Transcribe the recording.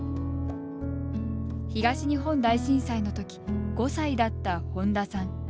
東日本大震災のとき５歳だった本多さん。